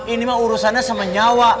ini mah urusannya sama nyawa